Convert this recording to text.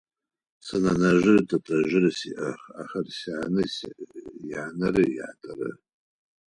Сэ нэнэжърэ тэтэжърэ сиӏэх, ахэр сянэ янэрэ ятэрэ.